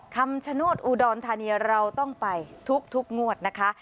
คำชโนธอุดรธานีเราต้องไปทุกงวดนะคะ